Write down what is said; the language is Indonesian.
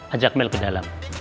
ajak mel ke dalam